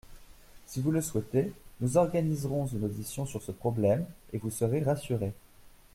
Si vous le souhaitez, nous organiserons une audition sur ce problème et vous serez rassurés.